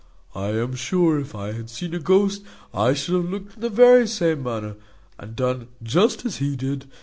I am sure, if I had seen a ghost, I should have looked in the very same manner, and done just as he did.